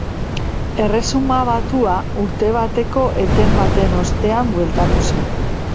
Erresuma Batua urte bateko eten baten ostean bueltatu zen.